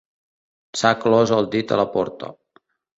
S'ha clos el dit a la porta.